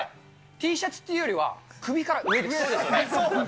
Ｔシャツっていうよりは、首からそうですよね。